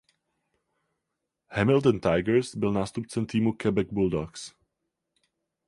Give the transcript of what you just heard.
Hamilton Tigers byl nástupcem týmu Quebec Bulldogs.